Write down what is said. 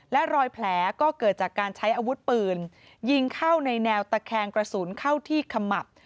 และรอยแผลก็เกิดจากการใช้อาวุธปืนยิงเข้าในแนวตะแคงกระสุนเข้าที่ขมับ